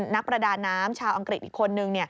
นักประดาน้ำชาวอังกฤษอีกคนนึง